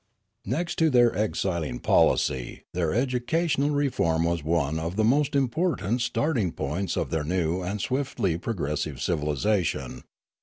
Next to their exiling policy, their educational reform was one of the most important starting points of their new and swiftly progressive civilisation.